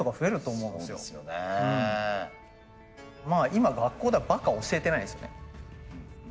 今学校ではばか教えてないんですよね。